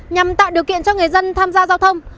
nhằm tạo điều kiện cho người dân tham gia giao thông